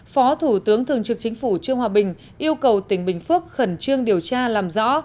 phó thủ tướng thường trực chính phủ trương hòa bình yêu cầu tỉnh bình phước khẩn trương điều tra làm rõ